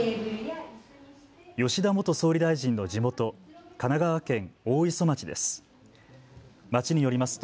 吉田元総理大臣の地元、神奈川県大磯町です。